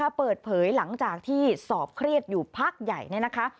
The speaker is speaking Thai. เปิดเผยหลังจากที่สอบเครียดอยู่พักใหญ่เนี่ยนะคะ